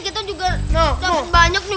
kita juga dapat banyak nih